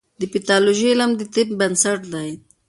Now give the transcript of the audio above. د پیتالوژي علم د طب بنسټ دی.